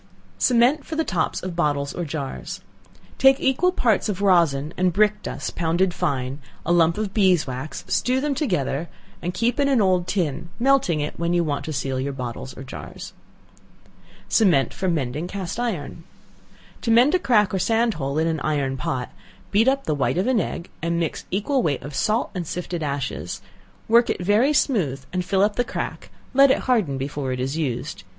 Cement for the Tops of Bottles or Jars. Take equal parts of rosin and brick dust pounded fine; a lump of beeswax; stew them together, and keep in an old tin, melting it when you want to seal your bottles or jars. Cement for Mending Cast iron. To mend a crack or sand hole in an iron pot, beat up the white of an egg, and mix equal weight of salt and sifted ashes; work it very smooth and fill up the crack, let it harden before it is used.